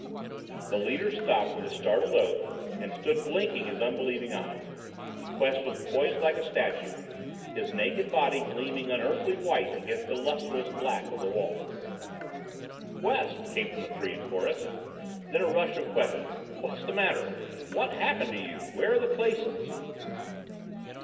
The leader stopped with a startled oath and stood blinking his unbelieving eyes. Quest was poised like a statue, his naked body gleaming an unearthly white against the lusterless black of the wall. "Quest," came from the three in chorus. Then a rush of questions: "What's the matter? What's happened to you? Where are the Clasons?"